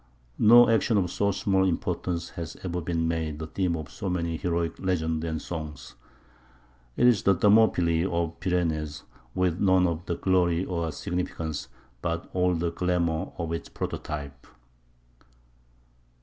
No action of so small importance has ever been made the theme of so many heroic legends and songs. It is the Thermopylæ of the Pyrenees, with none of the glory or the significance, but all the glamour, of its prototype.